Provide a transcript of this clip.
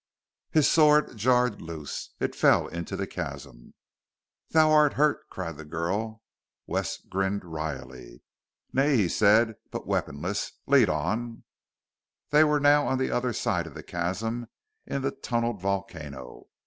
His sword jarred loose. It fell into the chasm. "Thou art hurt!" cried the girl. Wes grinned wryly. "Nay," he said, "but weaponless. Lead on!" They were now on the other side of the chasm in the tunneled volcano.